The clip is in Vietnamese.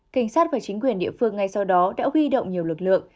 cảnh sát và chính quyền địa phương ngay sau đó đã huy động nhiều lực lượng